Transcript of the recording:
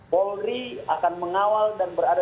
polri akan mengawal dan berada